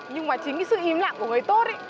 nhưng mà chính cái sự im lặng của người tốt